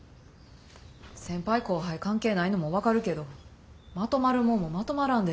先輩後輩関係ないのも分かるけどまとまるもんもまとまらんで。